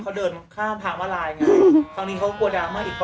เขาเดินข้ามผ่านมาลายไง